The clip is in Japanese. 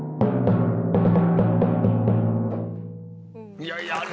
いやいや。